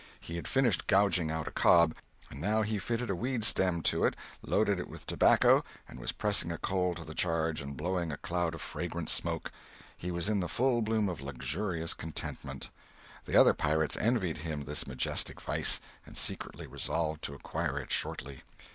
He had finished gouging out a cob, and now he fitted a weed stem to it, loaded it with tobacco, and was pressing a coal to the charge and blowing a cloud of fragrant smoke—he was in the full bloom of luxurious contentment. The other pirates envied him this majestic vice, and secretly resolved to acquire it shortly.